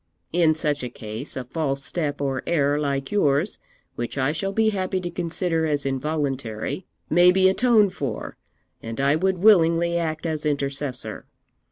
In such a case, a false step or error like yours, which I shall be happy to consider as involuntary, may be atoned for, and I would willingly act as intercessor.